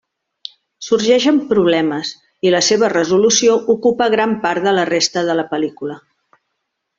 Sorgeixen problemes, i la seva resolució ocupa gran part de la resta de la pel·lícula.